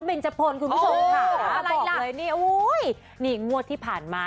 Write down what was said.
ก็เป็นเจ้าโฟนคุณผู้ชมค่ะอะไรละบอกเลยนี่อุ้ยนี่งวดที่ผ่านมา